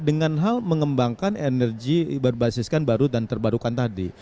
dengan hal mengembangkan energi berbasiskan baru dan terbarukan tadi